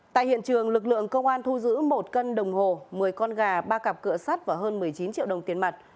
tại hiện trường lực lượng công an thu giữ một cân đồng hồ một mươi con gà ba cặp cựa sắt và hơn một mươi chín triệu đồng tiền mặt